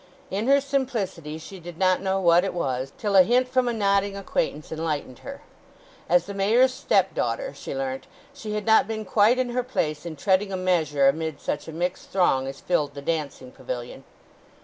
In her simplicity she did not know what it was till a hint from a nodding acquaintance enlightened her. As the Mayor's stepdaughter, she learnt, she had not been quite in her place in treading a measure amid such a mixed throng as filled the dancing pavilion.